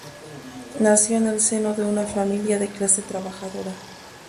Nació en el seno de una familia de clase trabajadora.